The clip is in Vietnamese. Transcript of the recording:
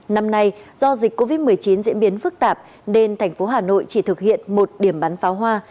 năm nay do dịch covid một mươi chín diễn biến phức tạp nên thành phố hà nội chỉ thực hiện một điểm bắn pháo hoa